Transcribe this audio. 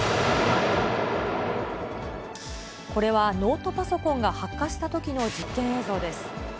これはノートパソコンが発火したときの実験映像です。